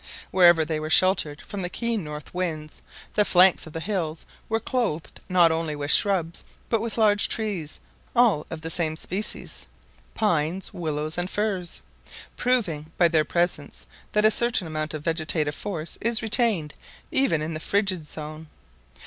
Wherever they were sheltered from the keen north winds, the flanks of the hills were clothed not only with shrubs, but with large trees, all of the same species — pines, willows, and firs — proving by their presence that a certain amount of vegetative force is retained even in the Frigid Zone.